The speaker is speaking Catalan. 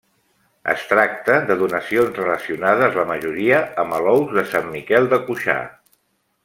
Es tracta de donacions, relacionades la majoria amb alous de Sant Miquel de Cuixà.